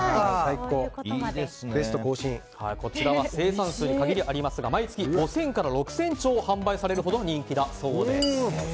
生産数に限りがありますが毎月５０００から６０００丁販売されるほど人気だそうです。